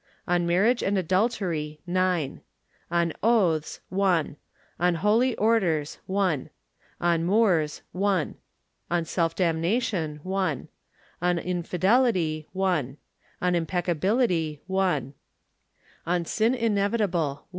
On Marriage and Adultery On Oaths .... On Holy Orders . On Moors .... On Self Damnation On Infidelity . On Impeccability . On Sin inevitable